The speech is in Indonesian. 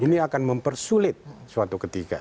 ini akan mempersulit suatu ketika